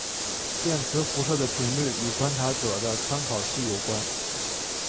电磁辐射的频率与观察者的参考系有关。